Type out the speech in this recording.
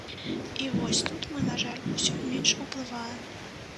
І вось тут мы, на жаль, усё менш уплываем.